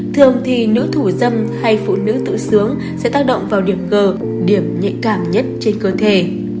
thường thì nữ thủ dâm hay phụ nữ tự xướng sẽ tác động vào điểm g điểm nhạy cảm nhất trên cơ thể